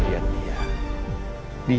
lihat dia di